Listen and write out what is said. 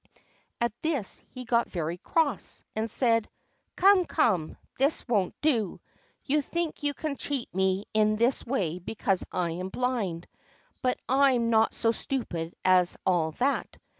At this he got very cross, and said: "Come, come, this won't do. You think you can cheat me in this way because I am blind; but I'm not so stupid as all that.